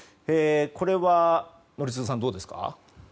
これは宜嗣さん、どうですか？